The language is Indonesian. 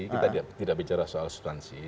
kita tidak bicara soal substansi